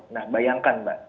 nah bayangkan mbak